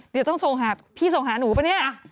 เดี๋ยวต้องส่งหาพี่ส่งหาหนูปะเนี่ย